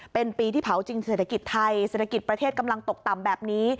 เป็นปีที่เผาจริงเศรษฐกิจไทยเศรษฐกิจประเทศกำลังตกต่ำแบบนี้